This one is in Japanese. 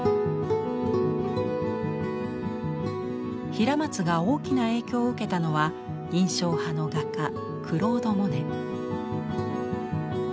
平松が大きな影響を受けたのは印象派の画家クロード・モネ。